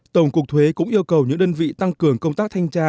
tổng cục thuế cũng yêu cầu những đơn vị tăng cường công tác thanh tra